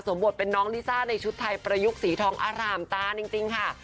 บทเป็นน้องลิซ่าในชุดไทยประยุกต์สีทองอร่ามตาจริงค่ะ